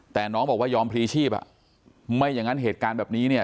แต่น้องบอกว่ายอมพลีชีพอ่ะไม่อย่างนั้นเหตุการณ์แบบนี้เนี่ย